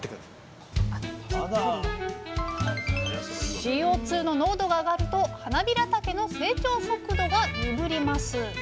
ＣＯの濃度が上がるとはなびらたけの成長速度が鈍ります。